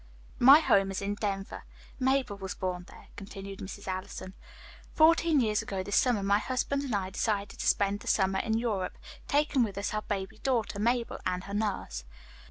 "My home is in Denver. Mabel was born there," continued Mrs. Allison. "Fourteen years ago this summer my husband and I decided to spend the summer in Europe, taking with us our baby daughter, Mabel, and her nurse.